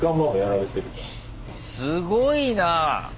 すごいな！